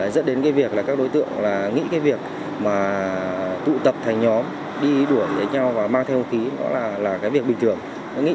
dẫn đến cái việc là các đối tượng nghĩ cái việc mà tụ tập thành nhóm đi đuổi với nhau và mang theo vũ khí đó là cái việc bình thường